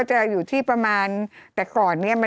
จำกัดจำนวนได้ไม่เกิน๕๐๐คนนะคะ